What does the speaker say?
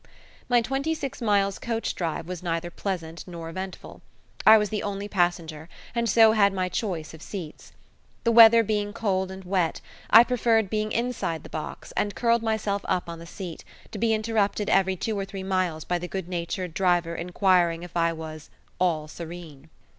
My twenty six miles' coach drive was neither pleasant nor eventful. I was the only passenger, and so had my choice of seats. The weather being cold and wet, I preferred being inside the box and curled myself up on the seat, to be interrupted every two or three miles by the good natured driver inquiring if I was "all serene".